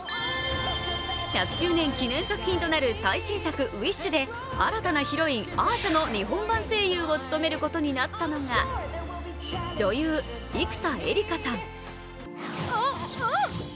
１００周年記念作品となる最新作「ウィッシュ」であらなたヒロイン・アーシャの日本版声優を務めることになったのが女優・生田絵梨花さん。